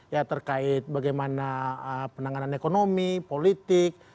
ya terkait bagaimana penanganan ekonomi politik